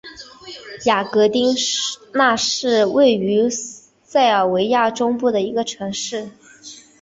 雅戈丁那是位于塞尔维亚中部的一个城市。